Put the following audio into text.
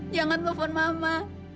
jangan telepon mama